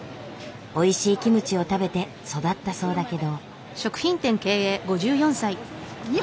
おいしいキムチを食べて育ったそうだけど。